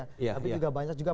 tapi juga banyak juga